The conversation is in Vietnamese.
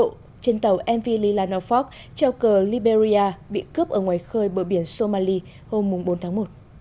hải quân ấn độ trên tàu mv lila norfolk treo cờ liberia bị cướp ở ngoài khơi bờ biển somali hôm bốn tháng một